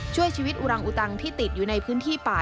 ช่วยชีวิตอุรังอุตังที่ติดอยู่ในพื้นที่ป่า